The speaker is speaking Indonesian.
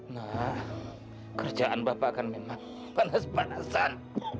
nah kerjaan bapak kan memang panas panasan